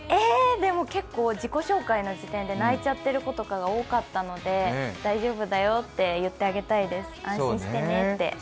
結構、自己紹介の時点で泣いちゃっている子とかも多かったので大丈夫だよって言ってあげたいです、安心してねって。